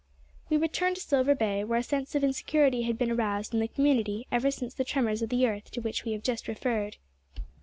We return to Silver Bay, where a sense of insecurity had been aroused in the community, ever since the tremors of the earth, to which we have just referred.